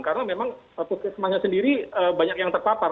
karena memang fast cash primernya sendiri banyak yang terpapar